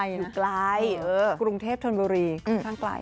อยู่ไกลคุณกุลเทพธนบรีทางไกล